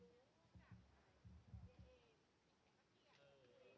สวัสดีครับ